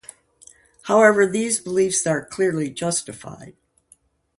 However, these beliefs are clearly justified.